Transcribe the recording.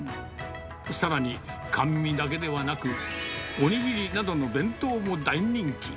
さらに、甘味だけではなくお握りなどの弁当も大人気。